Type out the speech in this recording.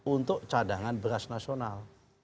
untuk cadangan beras nasional